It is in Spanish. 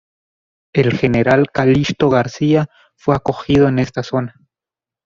El general Calixto García fue acogido en esta zona.